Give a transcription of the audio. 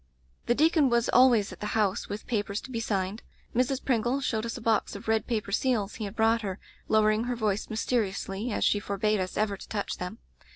"The deacon was always at the house with papers to be signed. Mrs. Pringle showed us a box of red paper seals he had brought her, lowering her voice mysteri ously as she forbade us ever to touch them.